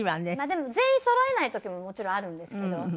でも全員そろわない時ももちろんあるんですけど。